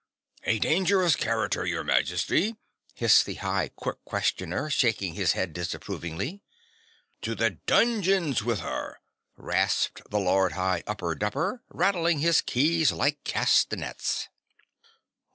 "A dangerous character, Your Majesty," hissed the High Qui questioner, shaking his head disapprovingly. "To the dungeons with her!" rasped the Lord High Upper Dupper, rattling his keys like castanets.